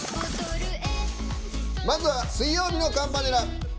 まずは、水曜日のカンパネラ。